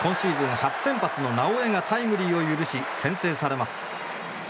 初先発の直江がタイムリーを許し先制されます。